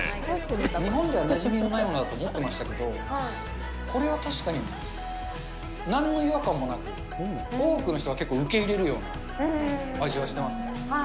日本ではなじみのないものだと思ってましたけど、これは確かに、なんの違和感もなく、多くの人が結構、受け入れるような味がしてはい。